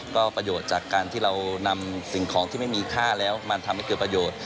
ก็ประโยชน์จากการที่เรานำสิ่งของที่ไม่มีค่าแล้วมาทำให้เกิดประโยชน์